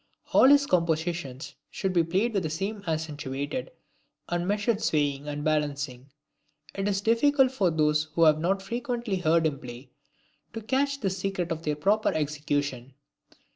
All his compositions should be played with this accentuated and measured swaying and balancing. It is difficult for those who have not frequently heard him play to catch this secret of their proper execution.